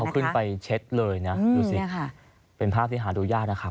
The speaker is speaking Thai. ขึ้นไปเช็ดเลยนะดูสิเป็นภาพที่หาดูยากนะครับ